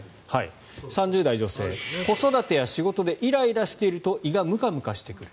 ３０代女性子育てや仕事でイライラしていると胃がむかむかしてくる。